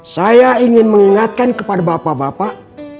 saya ingin mengingatkan kepada bapak bapak